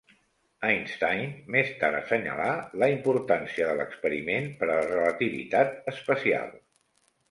Einstein més tard assenyalà la importància de l'experiment per a la relativitat especial.